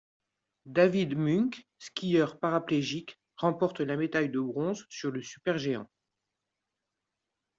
David Munk, skieur paraplégique, remporte la médaille de bronze sur le super-géant.